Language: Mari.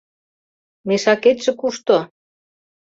— Мешакетше кушто?